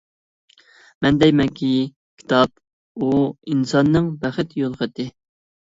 مەن دەيمەنكى: كىتاب، ئۇ-ئىنساننىڭ بەخت يول خېتى!